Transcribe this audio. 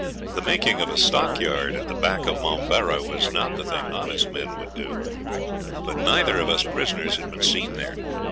The making of a stockyard at the back of Momberah was not the thing honest men would do. But neither of us prisoners had been seen there.